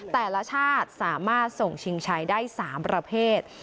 แต่ละชาติสามารถส่งชิงชัยได้๓ประเภท